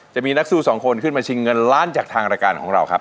จะมีนักสู้สองคนขึ้นมาชิงเงินล้านจากทางรายการของเราครับ